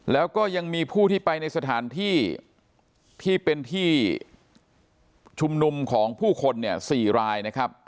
แล้วก็ยังมีผู้ที่ไปในสถานที่ที่เป็นที่ชุมนุมของผู้คนเนี่ย๔รายนะครับ